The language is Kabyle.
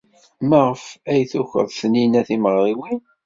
Maɣef ay tukeḍ Taninna timeɣriwin?